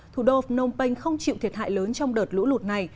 thủ đô phnom penh không chịu thiệt hại lớn trong đợt lũ lụt này